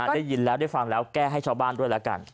ได้ยินแล้วได้ฟังแล้วแก้ให้ชาวบ้านด้วยแล้วกัน